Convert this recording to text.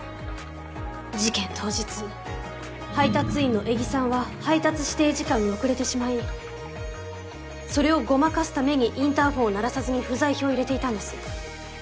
事件当日配達員の江木さんは配達指定時間に遅れてしまいそれをごまかすためにインターホンを鳴らさずに不在票を入れていたんです。